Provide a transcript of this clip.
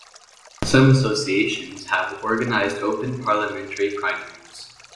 Some associations have organised open parliamentary primaries.